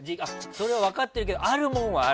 それは分かってるけどあるもんはある。